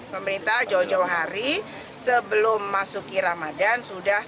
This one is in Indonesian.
pemerintah jauh jauh hari sebelum masuk ke ramadan